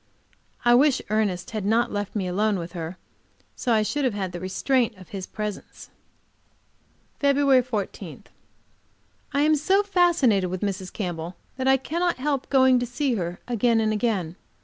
I wish Ernest had not left me alone with her, so that I should have had the restraint of his presence. FEB. 14. I am so fascinated with Mrs. Campbell that I cannot help going to see her again and again.